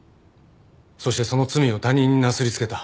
そしてその罪を他人になすりつけた。